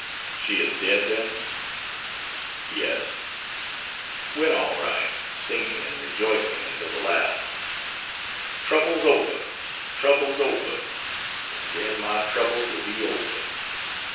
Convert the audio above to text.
"She is dead, then?" "Yes, went all right, singing and rejoicing until the last, 'Troubles over, troubles over, and den my troubles will be over.